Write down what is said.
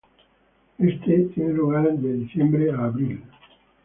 Este tiene lugar de diciembre a abril.